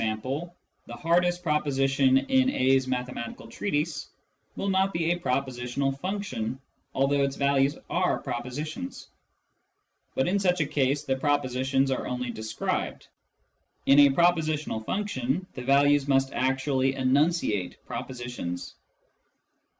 the hardest proposition in A's mathematical treatise," will not be a pro positional function, although its values are propositions. But in such a case the propositions are only described : in a preposi tional function, the values must actually enunciate propositions.